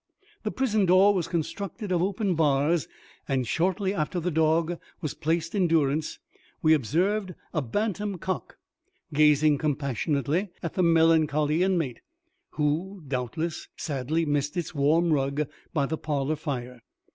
The prison door was constructed of open bars; and shortly after the dog was placed in durance, we observed a bantam cock gazing compassionately at the melancholy inmate, who, doubtless, sadly missed its warm rug by the parlour fire.